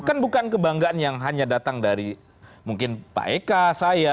kan bukan kebanggaan yang hanya datang dari mungkin pak eka saya